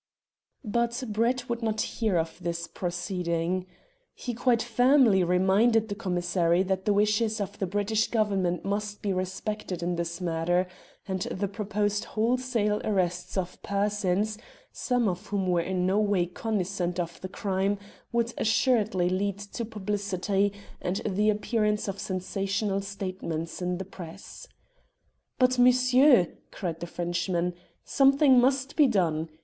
But Brett would not hear of this proceeding. He quite firmly reminded the commissary that the wishes of the British Government must be respected in this matter, and the proposed wholesale arrests of persons, some of whom were in no way cognisant of the crime, would assuredly lead to publicity and the appearance of sensational statements in the Press. "But, monsieur," cried the Frenchman, "something must be done.